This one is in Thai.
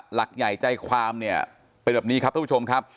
หลักใหญ่ใจความเนี่ยเป็นแบบนี้ครับทุกผู้ชมครับ